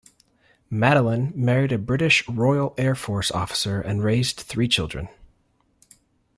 Madeleine married a British Royal Air Force officer and raised three children.